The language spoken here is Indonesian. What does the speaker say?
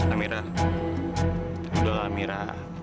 amira udah lah amira